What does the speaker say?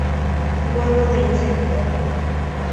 Huevo de insecto